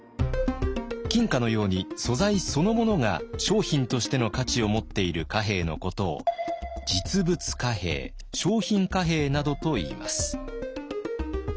金貨のように素材そのものが商品としての価値をもっている貨幣のことを実物貨幣・商品貨幣などといいます。